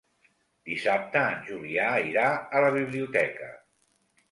Dissabte en Julià irà a la biblioteca.